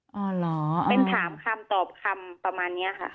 เป็นถามคำตอบคำประมาณนี้ค่ะ